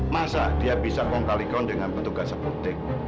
masa dia bisa kongkali kong dengan petugas apotek